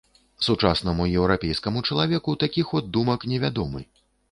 Сучаснаму еўрапейскаму чалавеку такі ход думак невядомы.